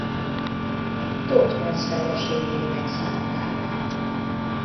Thotmesz feleségének szánták.